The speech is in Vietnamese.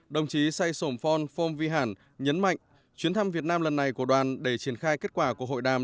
đồng chí say sổm phon phong vi hẳn nhấn mạnh chuyến thăm việt nam lần này của đoàn để triển khai kết quả của hội đàm